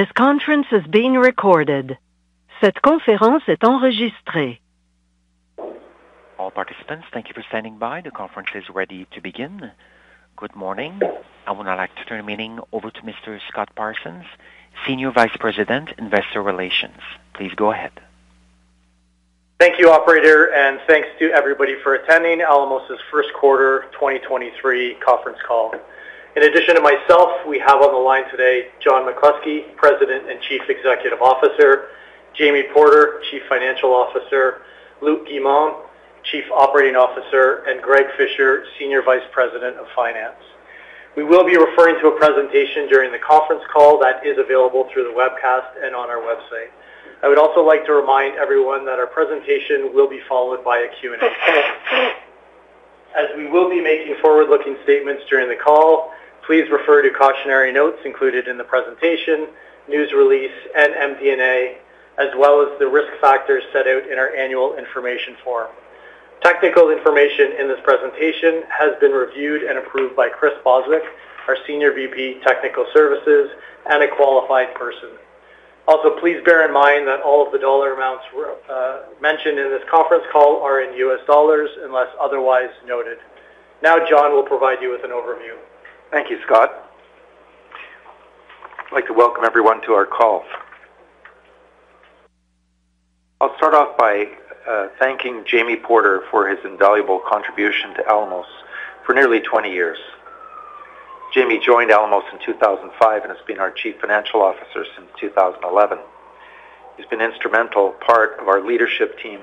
This conference is being recorded. All participants, thank you for standing by. The conference is ready to begin. Good morning. I would now like to turn the meeting over to Mr. Scott Parsons, Senior Vice President, Investor Relations. Please go ahead. Thank you, operator, and thanks to everybody for attending Alamos' first quarter 2023 conference call. In addition to myself, we have on the line today John McCluskey, President and Chief Executive Officer, Jamie Porter, Chief Financial Officer, Luc Guimond, Chief Operating Officer, and Greg Fischer, Senior Vice President of Finance. We will be referring to a presentation during the conference call that is available through the webcast and on our website. I would also like to remind everyone that our presentation will be followed by a Q&A session. As we will be making forward-looking statements during the call, please refer to cautionary notes included in the presentation, news release, and MD&A, as well as the risk factors set out in our annual information form. Technical information in this presentation has been reviewed and approved by Chris Bostwick, our Senior VP, Technical Services and a qualified person. Please bear in mind that all of the dollar amounts mentioned in this conference call are in USD unless otherwise noted. John will provide you with an overview. Thank you, Scott. I'd like to welcome everyone to our call. I'll start off by thanking Jamie Porter for his invaluable contribution to Alamos for nearly 20 years. Jamie joined Alamos in 2005 and has been our Chief Financial Officer since 2011. He's been an instrumental part of our leadership team,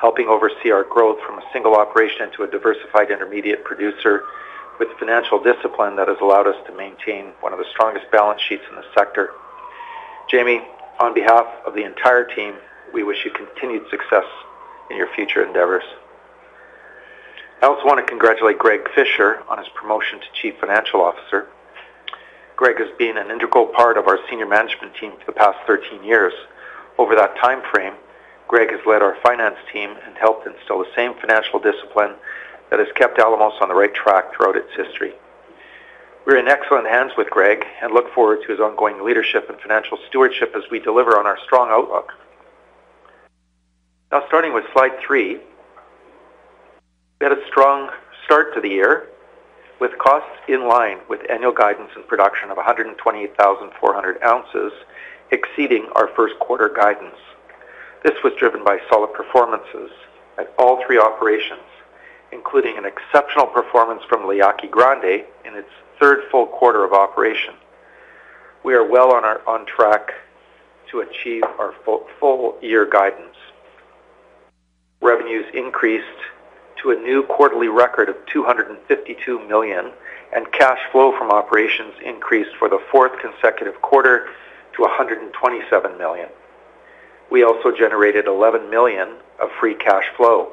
helping oversee our growth from a single operation to a diversified intermediate producer with financial discipline that has allowed us to maintain one of the strongest balance sheets in the sector. Jamie, on behalf of the entire team, we wish you continued success in your future endeavors. I also want to congratulate Greg Fischer on his promotion to Chief Financial Officer. Greg has been an integral part of our senior management team for the past 13 years. Over that time frame, Greg Fischer has led our finance team and helped instill the same financial discipline that has kept Alamos on the right track throughout its history. We're in excellent hands with Greg Fischer and look forward to his ongoing leadership and financial stewardship as we deliver on our strong outlook. Starting with slide three, we had a strong start to the year with costs in line with annual guidance and production of 128,400 ounces exceeding our first quarter guidance. This was driven by solid performances at all three operations, including an exceptional performance from La Yaqui Grande in its third full quarter of operation. We are well on track to achieve our full year guidance. Revenues increased to a new quarterly record of $252 million, cash flow from operations increased for the fourth consecutive quarter to $127 million. We also generated $11 million of free cash flow.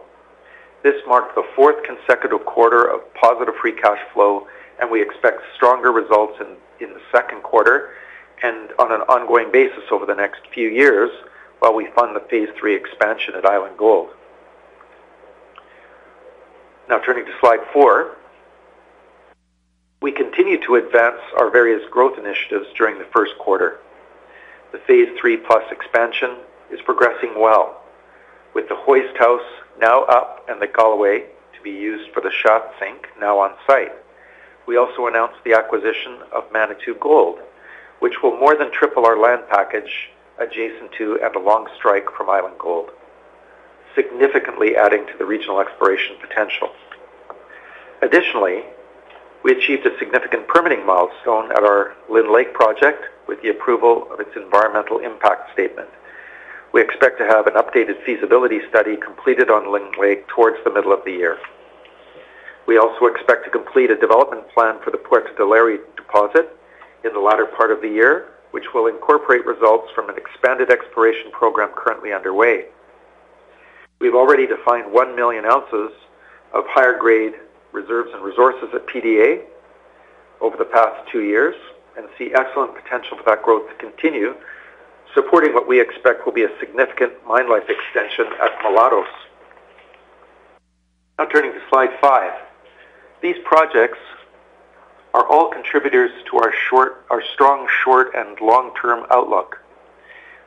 This marked the fourth consecutive quarter of positive free cash flow. We expect stronger results in the second quarter and on an ongoing basis over the next few years while we fund the Phase III Expansion at Island Gold. Turning to slide four. We continued to advance our various growth initiatives during the first quarter. The Phase III+ Expansion is progressing well, with the hoist house now up and the Galloway to be used for the shaft sink now on site. We also announced the acquisition of Manitou Gold, which will more than triple our land package adjacent to and a long strike from Island Gold, significantly adding to the regional exploration potential. We achieved a significant permitting milestone at our Lynn Lake project with the approval of its Environmental Impact Statement. We expect to have an updated feasibility study completed on Lynn Lake towards the middle of the year. We also expect to complete a development plan for the Puerto Del Aire deposit in the latter part of the year, which will incorporate results from an expanded exploration program currently underway. We've already defined 1 million ounces of higher grade reserves and resources at PDA over the past two years and see excellent potential for that growth to continue, supporting what we expect will be a significant mine life extension at Mulatos. Turning to slide five. These projects are all contributors to our strong short and long-term outlook.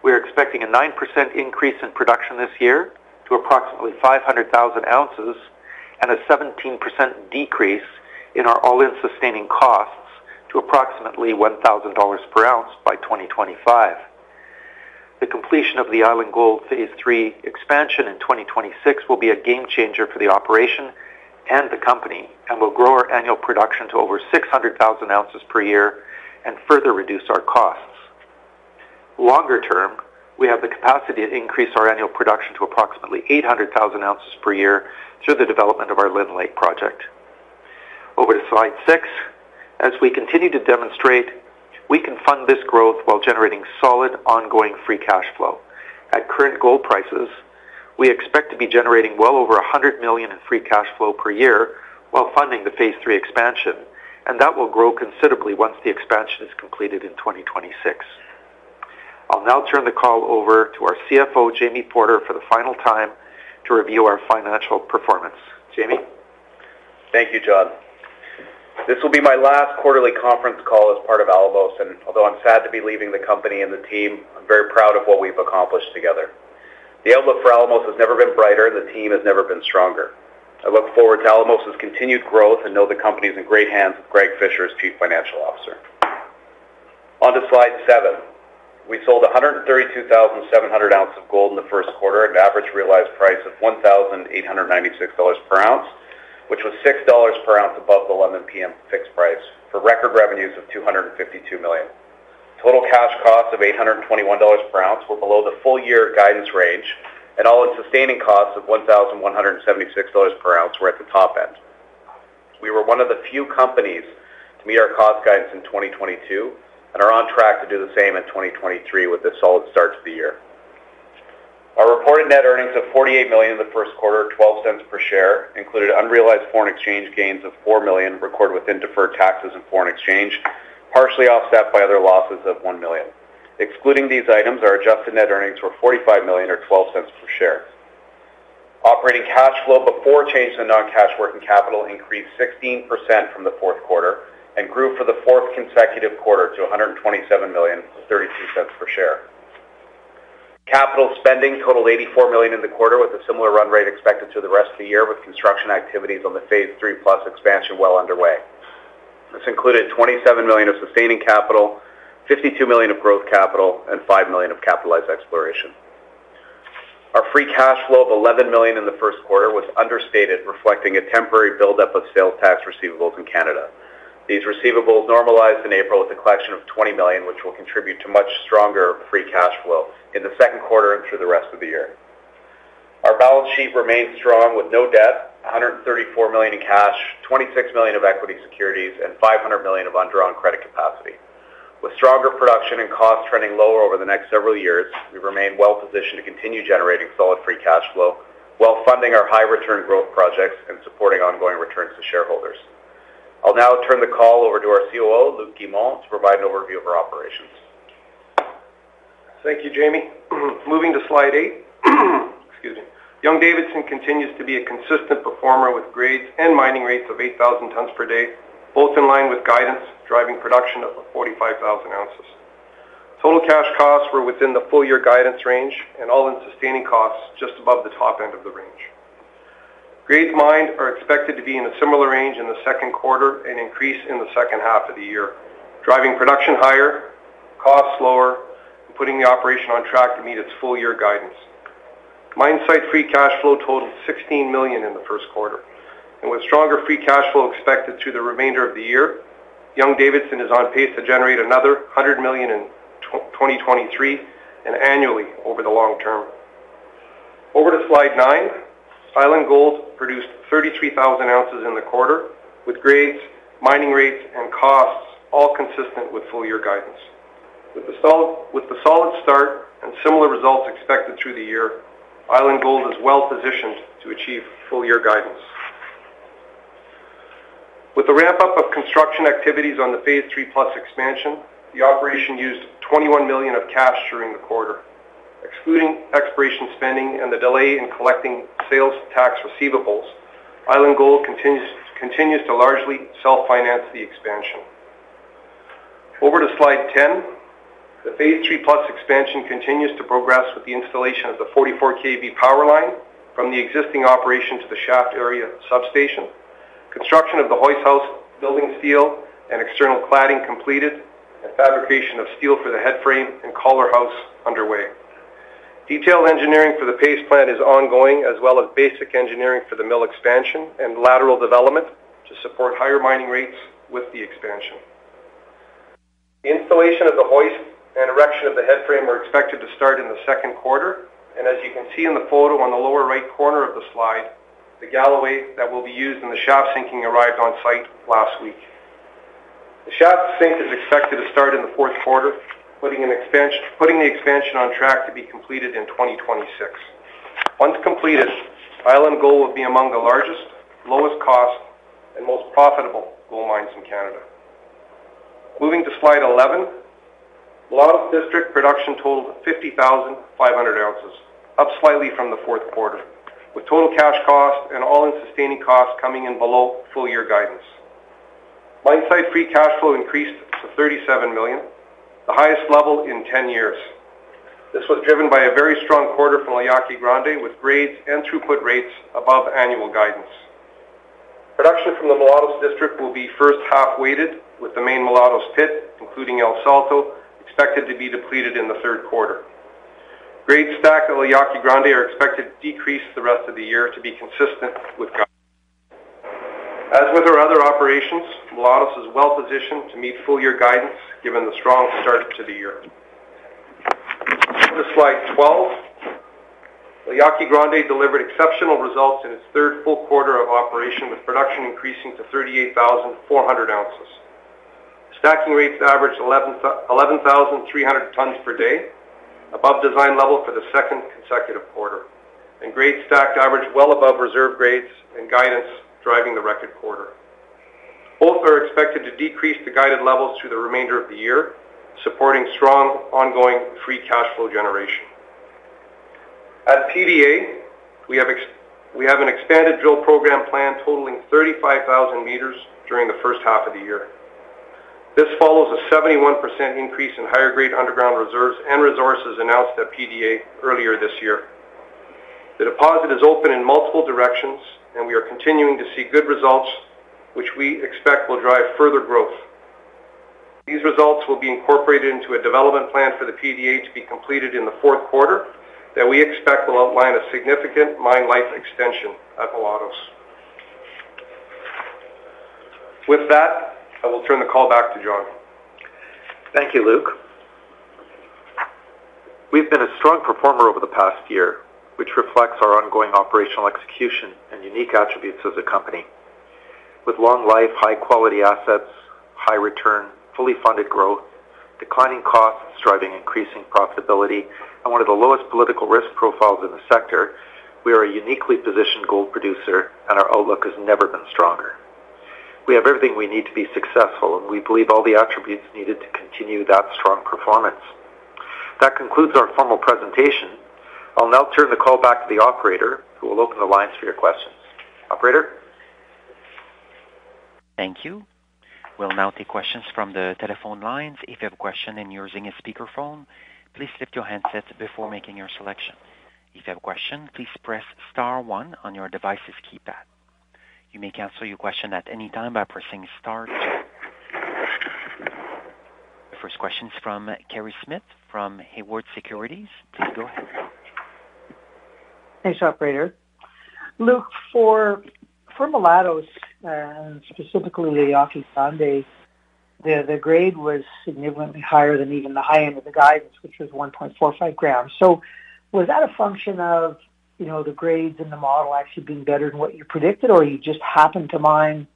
We are expecting a 9% increase in production this year to approximately 500,000 ounces and a 17% decrease in our all-in sustaining costs to approximately $1,000 per ounce by 2025. The completion of the Island Gold Phase III Expansion in 2026 will be a game changer for the operation and the company and will grow our annual production to over 600,000 ounces per year and further reduce our costs. Longer term, we have the capacity to increase our annual production to approximately 800,000 ounces per year through the development of our Lynn Lake project. Over to slide six. As we continue to demonstrate, we can fund this growth while generating solid ongoing free cash flow. At current gold prices, we expect to be generating well over $100 million in free cash flow per year while funding the Phase III Expansion. That will grow considerably once the expansion is completed in 2026. I'll now turn the call over to our CFO, Jamie Porter, for the final time to review our financial performance. Jamie? Thank you, John. This will be my last quarterly conference call as part of Alamos. Although I'm sad to be leaving the company and the team, I'm very proud of what we've accomplished together. The outlook for Alamos has never been brighter. The team has never been stronger. I look forward to Alamos' continued growth and know the company is in great hands with Greg Fischer as Chief Financial Officer. On to slide seven. We sold 132,700 ounces of gold in the first quarter at an average realized price of $1,896 per ounce, which was $6 per ounce above the 11 P.M. fixed price for record revenues of $252 million. Total cash costs of $821 per ounce were below the full year guidance range. All-in sustaining costs of $1,176 per ounce were at the top end. We were one of the few companies to meet our cost guidance in 2022 and are on track to do the same in 2023 with a solid start to the year. Our reported net earnings of $48 million in the first quarter, $0.12 per share, included unrealized foreign exchange gains of $4 million recorded within deferred taxes and foreign exchange, partially offset by other losses of $1 million. Excluding these items, our adjusted net earnings were $45 million or $0.12 per share. Operating cash flow before change in non-cash working capital increased 16% from the fourth quarter and grew for the fourth consecutive quarter to $127 million, $0.32 per share. Capital spending totaled $84 million in the quarter, with a similar run rate expected through the rest of the year, with construction activities on the Phase III+ Expansion well underway. This included $27 million of sustaining capital, $52 million of growth capital, and $5 million of capitalized exploration. Our free cash flow of $11 million in the first quarter was understated, reflecting a temporary buildup of sales tax receivables in Canada. These receivables normalized in April with a collection of $20 million, which will contribute to much stronger free cash flow in the second quarter and through the rest of the year. Our balance sheet remains strong with no debt, $134 million in cash, $26 million of equity securities, and $500 million of undrawn credit capacity. With stronger production and costs trending lower over the next several years, we remain well positioned to continue generating solid free cash flow while funding our high return growth projects and supporting ongoing returns to shareholders. I'll now turn the call over to our COO, Luc Guimond, to provide an overview of our operations. Thank you, Jamie. Moving to slide eight. Excuse me. Young-Davidson continues to be a consistent performer with grades and mining rates of 8,000 tons per day, both in line with guidance, driving production of 45,000 ounces. Total cash costs were within the full year guidance range and all-in sustaining costs just above the top end of the range. Grades mined are expected to be in a similar range in the second quarter and increase in the second half of the year, driving production higher, costs lower, and putting the operation on track to meet its full year guidance. Mine site free cash flow totaled $16 million in the first quarter. With stronger free cash flow expected through the remainder of the year, Young-Davidson is on pace to generate another $100 million in 2023 and annually over the long term. Over to slide nine. Island Gold produced 33,000 ounces in the quarter, with grades, mining rates, and costs all consistent with full year guidance. With the solid start and similar results expected through the year, Island Gold is well-positioned to achieve full year guidance. With the ramp up of construction activities on the Phase III+ Expansion, the operation used $21 million of cash during the quarter. Excluding exploration spending and the delay in collecting sales tax receivables, Island Gold continues to largely self-finance the expansion. Over to slide 10. The Phase III+ Expansion continues to progress with the installation of the 44 kV power line from the existing operation to the shaft area substation. Construction of the hoist house building steel and external cladding completed and fabrication of steel for the headframe and collar house underway. Detailed engineering for the paste plant is ongoing, as well as basic engineering for the mill expansion and lateral development to support higher mining rates with the expansion. Installation of the hoist and erection of the headframe are expected to start in the second quarter. As you can see in the photo on the lower right corner of the slide, the galloway that will be used in the shaft sinking arrived on site last week. The shaft sink is expected to start in the fourth quarter, putting the expansion on track to be completed in 2026. Once completed, Island Gold will be among the largest, lowest cost, and most profitable gold mines in Canada. Moving to slide 11. Mulatos District production totaled 50,500 ounces, up slightly from the fourth quarter, with total cash costs and all-in sustaining costs coming in below full year guidance. Mine site free cash flow increased to $37 million, the highest level in 10 years. This was driven by a very strong quarter from La Yaqui Grande, with grades and throughput rates above annual guidance. Production from the Mulatos District will be first half weighted, with the main Mulatos pit, including El Salto, expected to be depleted in the third quarter. Grades stacked at La Yaqui Grande are expected to decrease the rest of the year to be consistent with guide. As with our other operations, Mulatos is well positioned to meet full year guidance given the strong start to the year. Over to slide 12. La Yaqui Grande delivered exceptional results in its third full quarter of operation, with production increasing to 38,400 ounces. Stacking rates averaged 11,300 tons per day, above design level for the second consecutive quarter, and grades stacked averaged well above reserve grades and guidance, driving the record quarter. Both are expected to decrease to guided levels through the remainder of the year, supporting strong ongoing free cash flow generation. At PDA, we have an expanded drill program plan totaling 35,000 meters during the first half of the year. This follows a 71% increase in higher grade underground reserves and resources announced at PDA earlier this year. The deposit is open in multiple directions, we are continuing to see good results, which we expect will drive further growth. These results will be incorporated into a development plan for the PDA to be completed in the fourth quarter that we expect will outline a significant mine life extension at Mulatos. With that, I will turn the call back to John. Thank you, Luc. We've been a strong performer over the past year, which reflects our ongoing operational execution and unique attributes as a company. With long life, high quality assets, high return, fully funded growth, declining costs, driving increasing profitability, and one of the lowest political risk profiles in the sector, we are a uniquely positioned gold producer, and our outlook has never been stronger. We have everything we need to be successful, and we believe all the attributes needed to continue that strong performance. That concludes our formal presentation. I'll now turn the call back to the operator, who will open the lines for your questions. Operator? Thank you. We'll now take questions from the telephone lines. If you have a question and you're using a speakerphone, please lift your handsets before making your selection. If you have a question, please press star one on your device's keypad. You may cancel your question at any time by pressing star two. The first question is from Kerry Smith from Haywood Securities. Please go ahead. Thanks, operator. Luc, for Mulatos, specifically La Yaqui Grande, the grade was significantly higher than even the high end of the guidance, which was 1.45 grams. Was that a function of, you know, the grades in the model actually being better than what you predicted, or you just happened to mine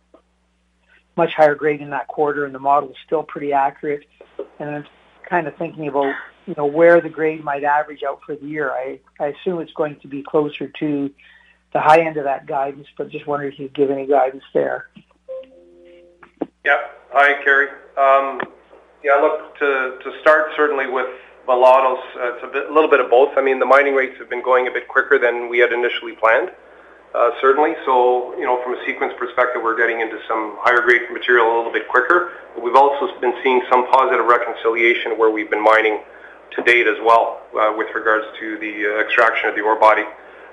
much higher grade in that quarter and the model is still pretty accurate? I'm kind of thinking about, you know, where the grade might average out for the year. I assume it's going to be closer to the high end of that guidance, but just wondering if you'd give any guidance there. Hi, Kerry. look, to start certainly with Mulatos, it's a little bit of both. I mean, the mining rates have been going a bit quicker than we had initially planned, certainly. you know, from a sequence perspective, we're getting into some higher grade material a little bit quicker. we've also been seeing some positive reconciliation where we've been mining to date as well, with regards to the extraction of the ore body.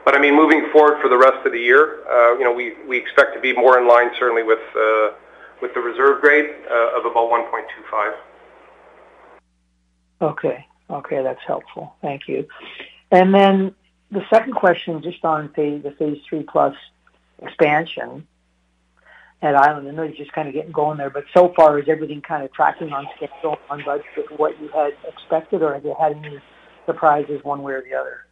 I mean, moving forward for the rest of the year, you know, we expect to be more in line certainly with the reserve grade of about 1.25. Okay, that's helpful. Thank you. The second question, just on Phase III+ Expansion at Island. I know you're just kind of getting going there, but so far, is everything kind of tracking on schedule, on budget with what you had expected, or have you had any surprises one way or the other?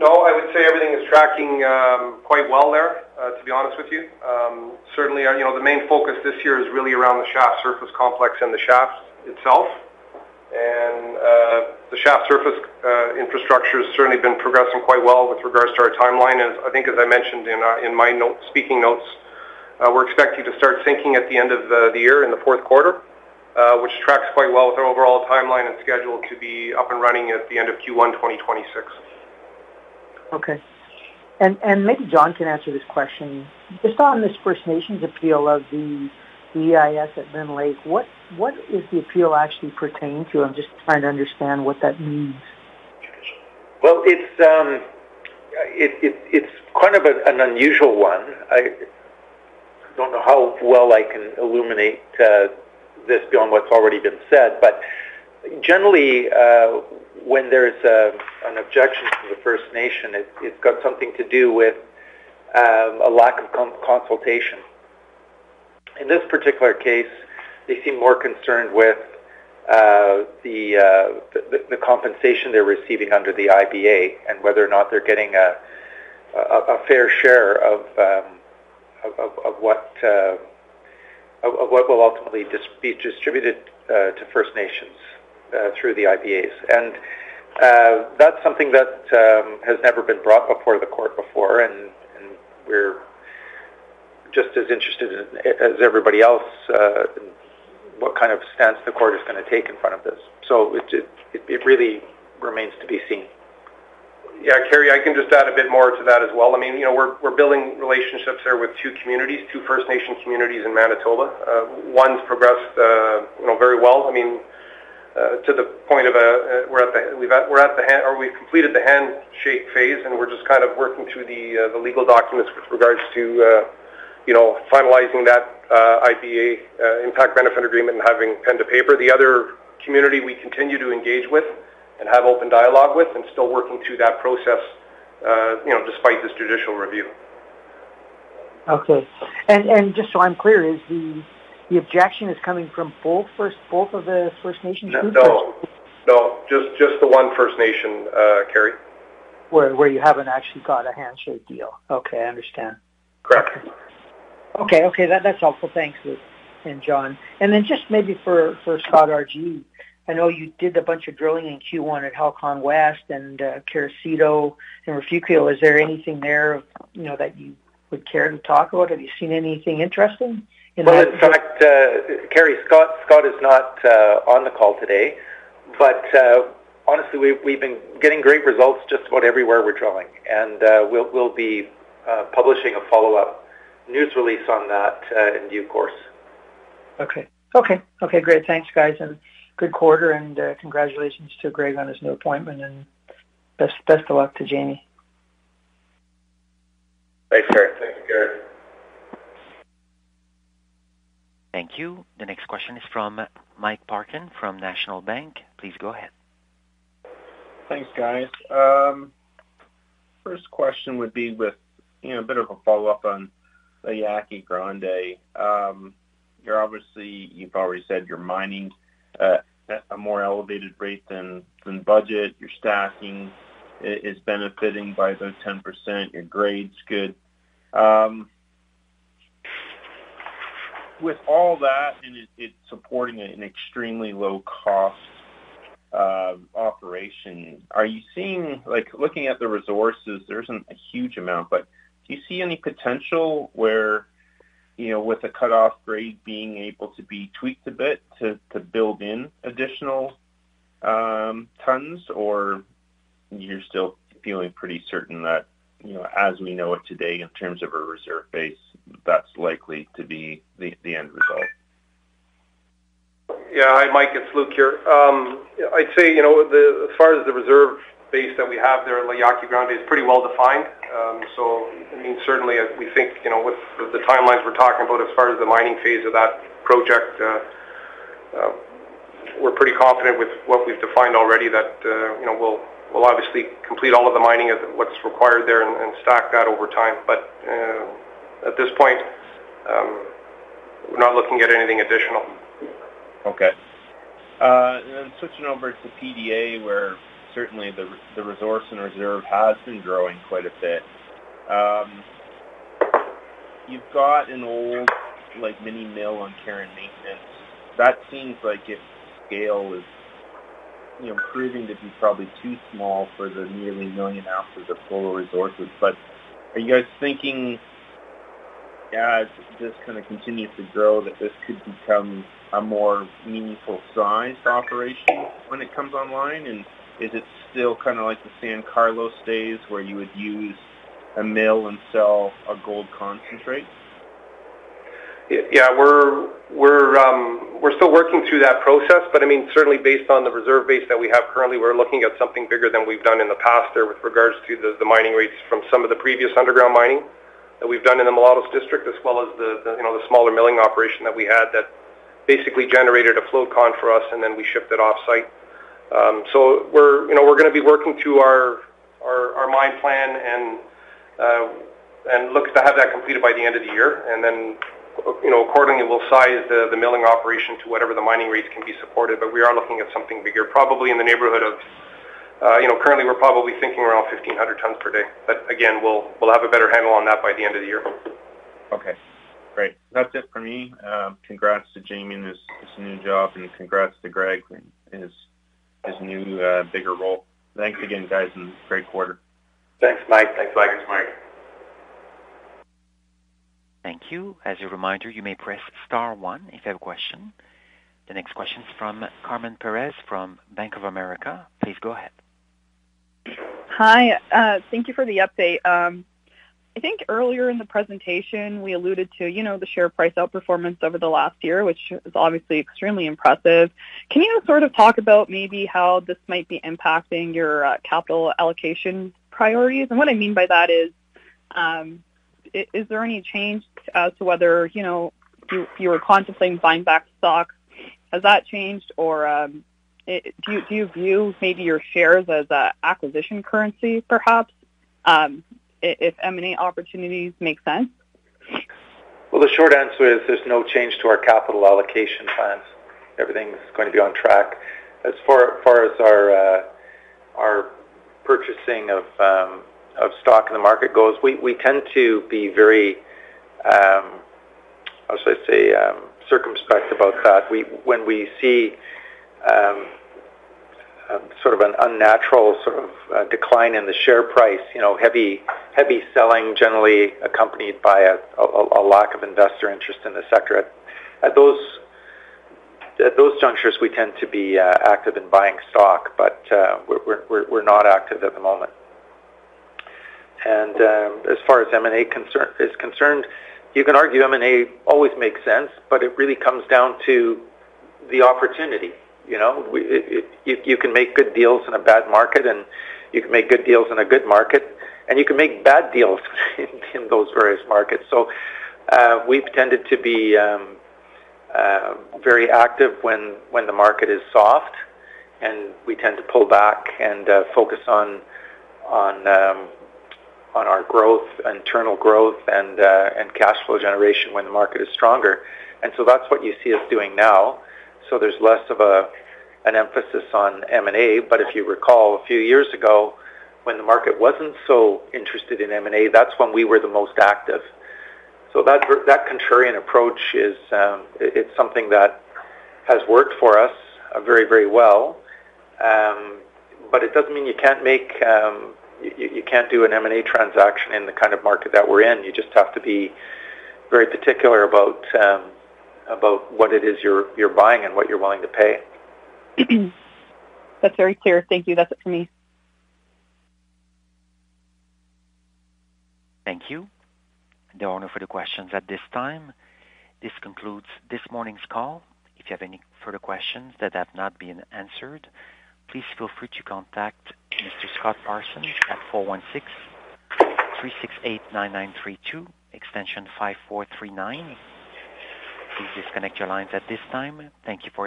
No, I would say everything is tracking quite well there, to be honest with you. Certainly, you know, the main focus this year is really around the shaft surface complex and the shaft itself. The shaft surface infrastructure has certainly been progressing quite well with regards to our timeline. I think as I mentioned in my note, speaking notes, we're expecting to start sinking at the end of the year in the fourth quarter, which tracks quite well with our overall timeline and schedule to be up and running at the end of Q1 2026. Okay. Maybe John can answer this question. Just on this First Nations appeal of the EIS at Lynn Lake, what is the appeal actually pertaining to? I'm just trying to understand what that means. It's kind of an unusual one. I don't know how well I can illuminate this beyond what's already been said. Generally, when there's an objection to the First Nation, it's got something to do with a lack of consultation. In this particular case, they seem more concerned with the compensation they're receiving under the IBA and whether or not they're getting a fair share of what will ultimately be distributed to First Nations through the IBAs. That's something that has never been brought before the court before, and we're just as interested as everybody else in what kind of stance the court is gonna take in front of this. It really remains to be seen. Yeah, Kerry, I can just add a bit more to that as well. I mean, you know, we're building relationships there with two communities, two First Nation communities in Manitoba. One's progressed, you know, very well. I mean, to the point of, we've completed the handshake phase, and we're just kind of working through the legal documents with regards to, you know, finalizing that IBA, Impact Benefit Agreement and having pen to paper. The other community we continue to engage with and have open dialogue with and still working through that process, you know, despite this judicial review. Okay. And just so I'm clear, is the objection coming from both of the First Nations groups? No. No. Just the one First Nation, Kerry. Where you haven't actually got a handshake deal. Okay, I understand. Correct. Okay. Okay. That's helpful. Thanks, Luc and John. Then just maybe for Scott R.G. Parsons, I know you did a bunch of drilling in Q1 at Halcon West and Carricito and Refugio. Is there anything there, you know, that you would care to talk about? Have you seen anything interesting? In fact, Kerry, Scott is not on the call today. We've been getting great results just about everywhere we're drilling, and we'll be publishing a follow-up news release on that in due course. Okay. Okay. Okay, great. Thanks, guys, and good quarter, and congratulations to Greg on his new appointment, and best of luck to Jamie. Thanks, Kerry. Thanks, Kerry. Thank you. The next question is from Mike Parkin from National Bank. Please go ahead. Thanks, guys. First question would be with, you know, a bit of a follow-up on La Yaqui Grande. You're obviously, you've already said you're mining at a more elevated rate than budget. Your stacking is benefiting by the 10%. Your grade's good. With all that, and it's supporting an extremely low cost operation, are you seeing... Like, looking at the resources, there isn't a huge amount, but do you see any potential where, you know, with a cutoff grade being able to be tweaked a bit to build in additional tons, or you're still feeling pretty certain that, you know, as we know it today in terms of a reserve base, that's likely to be the end result? Yeah. Hi, Mike, it's Luc here. I'd say, you know, as far as the reserve base that we have there at La Yaqui Grande is pretty well defined. I mean, certainly as we think, you know, with the timelines we're talking about as far as the mining phase of that project, we're pretty confident with what we've defined already that, you know, we'll obviously complete all of the mining of what's required there and stack that over time. At this point, we're not looking at anything additional. Okay. Switching over to PDA where certainly the resource and reserve has been growing quite a bit. You've got an old, like, mini mill on care and maintenance. That seems like its scale is, you know, proving to be probably too small for the nearly 1 million ounces of polar resources. Are you guys thinking as this kinda continues to grow, that this could become a more meaningful sized operation when it comes online, and is it still kinda like the San Carlos days where you would use a mill and sell a gold concentrate? Yeah, we're still working through that process, I mean, certainly based on the reserve base that we have currently, we're looking at something bigger than we've done in the past there with regards to the mining rates from some of the previous underground mining that we've done in the Mulatos district as well as the, you know, the smaller milling operation that we had that basically generated a float con for us, and then we shipped it off-site. We're, you know, we're gonna be working through our mine plan and look to have that completed by the end of the year. You know, accordingly we'll size the milling operation to whatever the mining rates can be supported. We are looking at something bigger, probably in the neighborhood of, you know, currently we're probably thinking around 1,500 tons per day. Again, we'll have a better handle on that by the end of the year. Okay, great. That's it for me. Congrats to Jamie in his new job, congrats to Greg in his new bigger role. Thanks again, guys, great quarter. Thanks, Mike. Thanks, Mike. Thank you. As a reminder, you may press star one if you have a question. The next question is from Carmen Perez from Bank of America. Please go ahead. Hi. Thank you for the update. I think earlier in the presentation, we alluded to, you know, the share price outperformance over the last year, which is obviously extremely impressive. Can you sort of talk about maybe how this might be impacting your capital allocation priorities? What I mean by that is there any change as to whether, you know, you were contemplating buying back stock? Has that changed or, do you view maybe your shares as a acquisition currency perhaps, if M&A opportunities make sense? Well, the short answer is there's no change to our capital allocation plans. Everything's going to be on track. As far as our purchasing of stock in the market goes, we tend to be very, how should I say, circumspect about that. When we see sort of an unnatural sort of decline in the share price, you know, heavy selling generally accompanied by a lack of investor interest in the sector, at those junctures we tend to be active in buying stock. We're not active at the moment. As far as M&A is concerned, you can argue M&A always makes sense, but it really comes down to the opportunity, you know. It, you can make good deals in a bad market, and you can make good deals in a good market, and you can make bad deals in those various markets. We've tended to be very active when the market is soft, and we tend to pull back and focus on our growth, internal growth and cash flow generation when the market is stronger. That's what you see us doing now. There's less of an emphasis on M&A. If you recall, a few years ago when the market wasn't so interested in M&A, that's when we were the most active. That contrarian approach is, it's something that has worked for us very, very well. It doesn't mean you can't make, you can't do an M&A transaction in the kind of market that we're in. You just have to be very particular about what it is you're buying and what you're willing to pay. That's very clear. Thank you. That's it for me. Thank you. There are no further questions at this time. This concludes this morning's call. If you have any further questions that have not been answered, please feel free to contact Mr. Scott Parsons at 416-368-9932, extension 5439. Please disconnect your lines at this time. Thank you.